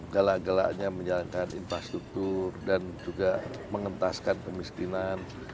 gelak gelaknya menjalankan infrastruktur dan juga mengentaskan kemiskinan